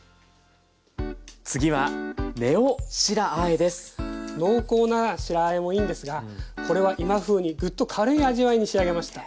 次は濃厚な白あえもいいんですがこれは今風にグッと軽い味わいに仕上げました。